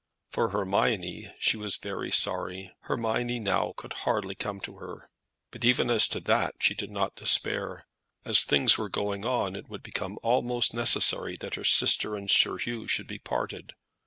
For Hermione she was sorry. Hermione now could hardly come to her. But even as to that she did not despair. As things were going on, it would become almost necessary that her sister and Sir Hugh should be parted.